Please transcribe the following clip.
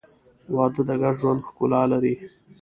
• واده د ګډ ژوند ښکلا لري.